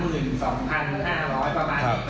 เจ็ดร้อยก็ถ้าได้เอาคันครับอ้าว